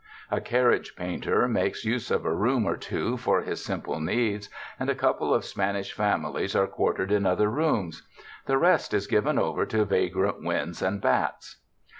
A carriage painter makes use of a room or two for his simple needs and a couple of Spanish families are quartered in other rooms. The rest is given over to vagrant winds and bats.